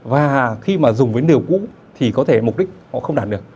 và khi mà dùng với điều cũ thì có thể mục đích họ không đạt được